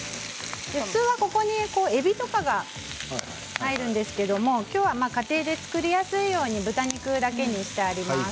普通はここにえびとか入るんですけれど今日は家庭で作りやすいように豚肉だけにしています。